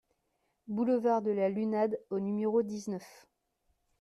Boulevard de la Lunade au numéro dix-neuf